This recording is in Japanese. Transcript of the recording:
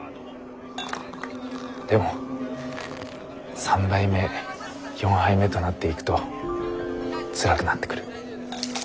でも３杯目４杯目となっていくとつらくなってくる。